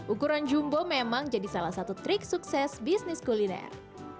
ukuran jumbo memang jadi salah satu trik sukses bisnis kuliner